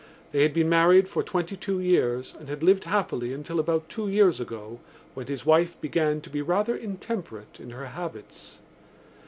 They had been married for twenty two years and had lived happily until about two years ago when his wife began to be rather intemperate in her habits.